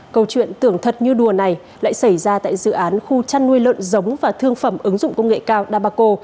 câu chuyện tưởng thật như đùa này lại xảy ra tại dự án khu chăn nuôi lợn giống và thương phẩm ứng dụng công nghệ cao dabaco